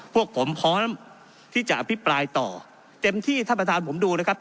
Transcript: พวกผมพร้อมที่จะอภิปรายต่อเต็มที่ท่านประธานผมดูนะครับ